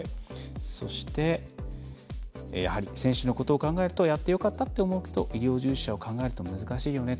そして、選手のことを考えるとやってよかったって思うけど、医療従事者を考えると難しいよね。